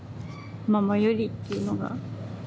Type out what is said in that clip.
ママより」っていうのが。